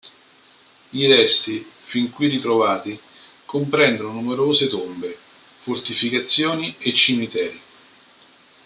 I resti fin qui ritrovati comprendono numerose tombe, fortificazioni e cimiteri.